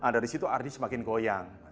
dari situ ardi semakin goyang